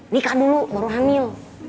nikah dulu baru hamil